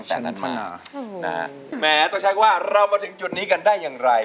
แหมตกชัยว่าเรามาถึงจุดนี้กันได้อย่างไร